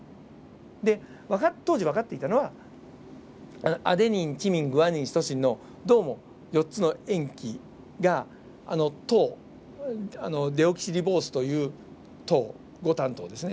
で当時分かっていたのはアデニンチミングアニンシトシンのどうも４つの塩基が糖デオキシリボースという糖五炭糖ですね。